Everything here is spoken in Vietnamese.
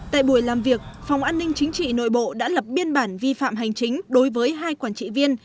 tại buổi làm việc phòng an ninh chính trị nội bộ đã lập biên bản vi phạm hành chính đối với hai quản trị viên